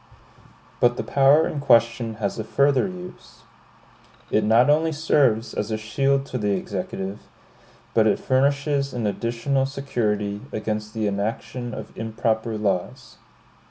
But the power in question has a further use. It not only serves as a shield to the Executive, but it furnishes an additional security against the enaction of improper laws.